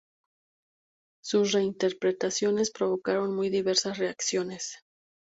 Sus reinterpretaciones provocaron muy diversas reacciones.